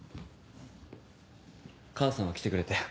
母さんは来てくれたよ。